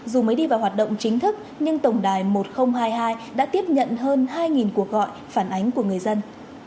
dù mới đi vào hoạt động chính thức nhưng tổng đài một nghìn hai mươi hai đã tiếp nhận hơn hai cuộc gọi phản ánh của người dân